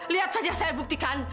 lihat saja saya buktikan